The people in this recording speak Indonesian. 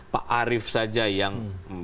pak arief saja yang berjanjikan melaporkannya